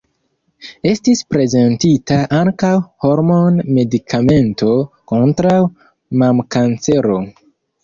Estis prezentita ankaŭ hormon-medikamento kontraŭ mamkancero.